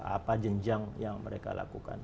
apa jenjang yang mereka lakukan